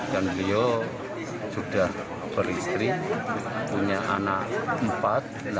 dan beliau sudah beristri punya anak empat